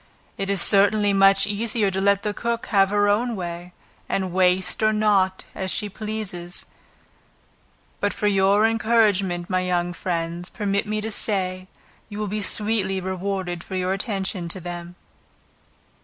It is certainly much easier to let the cook have her own way, and waste or not, as she pleases; but for your encouragement my young friends, permit me to say, you will be sweetly rewarded for your attention to them.